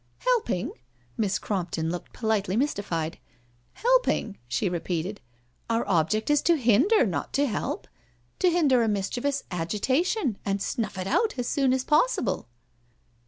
" Helping?" Miss Crompton looked politely mysti fied. " Helping?" she repeated. " Our object is to hinder, not to help— to hinder a mischievous agitatioii and snuff it out as soon as possible."